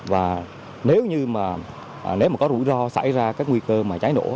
và nếu như có rủi ro xảy ra các nguy cơ cháy nổ